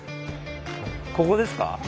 ここですか？